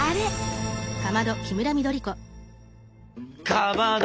かまど！